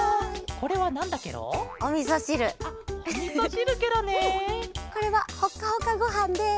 これはほかほかごはんです。